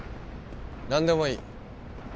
何でもいい。